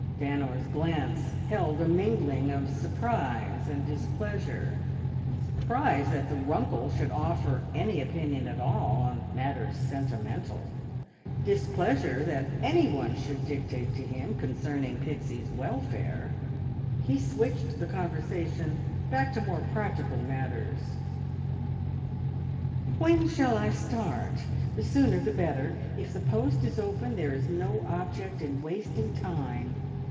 Stanor's glance held a mingling of surprise and displeasure surprise that the Runkle should offer any opinion at all on matters sentimental; displeasure, that any one should dictate to him concerning Pixie's welfare. He switched the conversation back to more practical matters. "When shall I start? The sooner the better. If the post is open there is no object in wasting time."